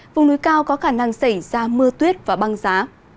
vùng núi cao có khả năng xảy ra mưa tuyết và băng giá